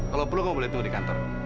kalau perlu kamu boleh tunggu di kantor